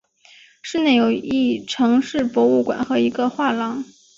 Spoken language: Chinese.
市内有一城市博物馆和一个画廊。